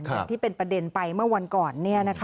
อย่างที่เป็นประเด็นไปเมื่อวันก่อน